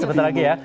sebentar lagi ya